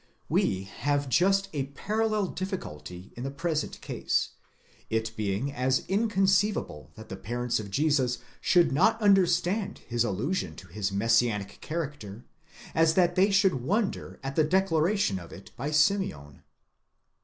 We have just a parallel difficulty in the present case, it being as inconceivable that the parents of Jesus should not understand his allusion to his messianic character, as that they should wonder at the declaration of it by Simeon.